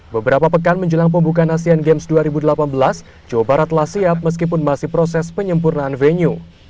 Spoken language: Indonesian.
beberapa pekan menjelang pembukaan asian games dua ribu delapan belas jawa barat telah siap meskipun masih proses penyempurnaan venue